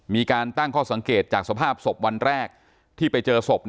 มีการตั้งข้อสังเกตจากสภาพศพวันแรกที่ไปเจอศพ